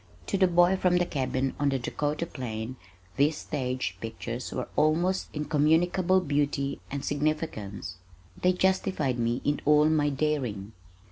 To the boy from the cabin on the Dakota plain these stage pictures were of almost incommunicable beauty and significance. They justified me in all my daring.